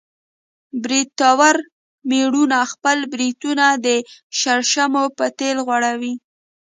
برېتور مېړونه خپل برېتونه د شړشمو په تېل غوړوي.